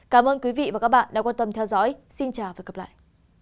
cảm ơn quý vị và các bạn đã quan tâm theo dõi xin chào và hẹn gặp lại